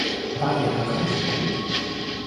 War Ihre Reise gut?